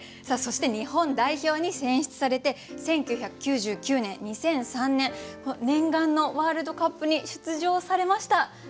さあそして日本代表に選出されて１９９９年２００３年念願のワールドカップに出場されました。